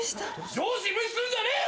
上司無視すんじゃねえよ！